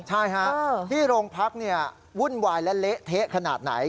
ใช่ฮะที่โรงพักวุ่นวายและเละเทะขนาดไหน